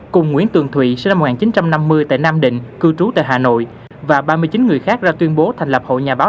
cùng nguyễn tường thụy sinh năm một nghìn chín trăm năm mươi tại nam định cư trú tại hà nội và ba mươi chín người khác ra tuyên bố thành lập hội nhà báo